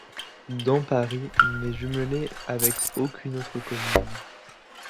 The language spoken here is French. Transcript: Damparis n'est jumelée avec aucune autre commune.